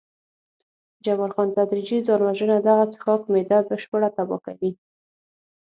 جبار خان: تدریجي ځان وژنه، دغه څښاک معده بشپړه تباه کوي.